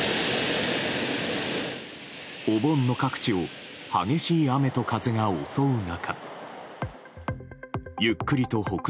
お盆の各地を激しい雨と風が襲う中